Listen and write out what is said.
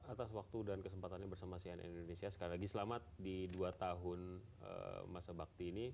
atas waktu dan kesempatannya bersama cnn indonesia sekali lagi selamat di dua tahun masa bakti ini